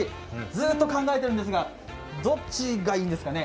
ずっと考えてるんですが、どっちがいいですかね。